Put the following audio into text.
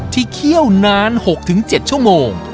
ที่เขี้ยวนาน๖๗ชั่วโมง